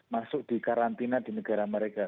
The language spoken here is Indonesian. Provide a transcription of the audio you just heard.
masuk di karantina di negara mereka